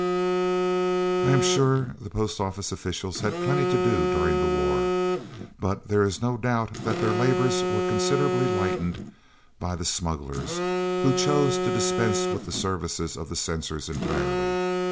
I am sure the Post Office officials had plenty to do during the war, but there is no doubt that their labours were considerably lightened by the "smugglers" who chose to dispense with the services of the censors entirely.